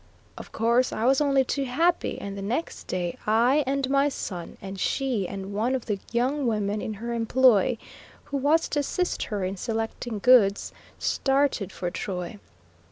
Of course, I was only too happy; and the next day I and my son, and she and one of the young women in her employ, who was to assist her in selecting goods, started for Troy.